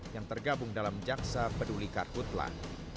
yang tergabung dalam jaksa peduli karhutlah